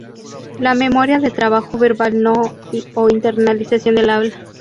La memoria de trabajo verbal o internalización del habla.